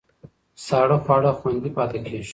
ساړه خواړه خوندي پاتې کېږي.